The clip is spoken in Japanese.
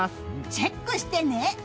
チェックしてね！